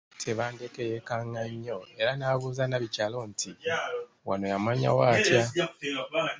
Tebandeke yeekanga nnyo era n’abuuza Nabikyalo nti, “Wano yamanyawo atya?